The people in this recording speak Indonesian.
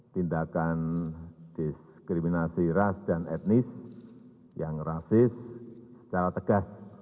tindakan diskriminasi ras dan etnis yang rasis secara tegas